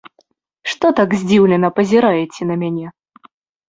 Што так здзіўлена пазіраеце на мяне?